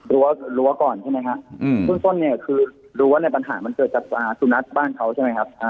รั้วก่อนใช่ไหมฮะเบื้องต้นเนี่ยคือรู้ว่าในปัญหามันเกิดจากสุนัขบ้านเขาใช่ไหมครับ